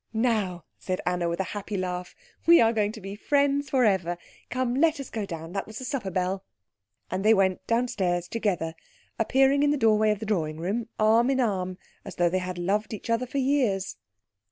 "Now," said Anna, with a happy laugh, "we are going to be friends for ever. Come, let us go down. That was the supper bell." And they went downstairs together, appearing in the doorway of the drawing room arm in arm, as though they had loved each other for years.